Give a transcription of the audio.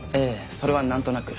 それはなんとなく。